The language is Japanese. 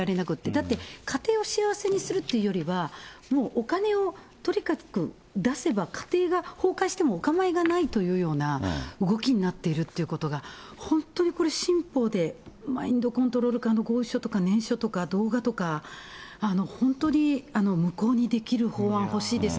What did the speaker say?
だって家庭を幸せにするというよりは、もうお金をとにかく出せば家庭が崩壊してもおかまいがないというような、動きになっているということが、本当にこれ、新法でマインドコントロール下の合意書とか、念書とか、動画とか、本当に無効にできる法案欲しいです。